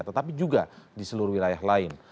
tetapi juga di seluruh wilayah lain